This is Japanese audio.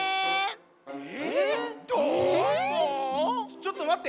ちょっとまって。